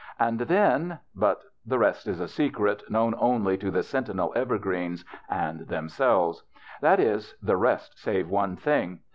And then — but the rest is a secret, knoAvn only to the sentinel evergreens and them selves. That is, the rest save one thing.